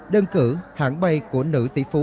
đơn cử hãng bay của nữ tỷ phú